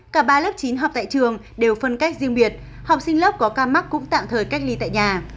cả ba lớp chín học tại trường đều phân cách riêng biệt học sinh lớp có ca mắc cũng tạm thời cách ly tại nhà